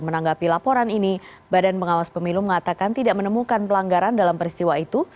menanggapi laporan ini badan pengawas pemilu mengatakan tidak menemukan pelanggaran dalam peristiwa itu